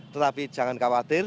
tetapi jangan khawatir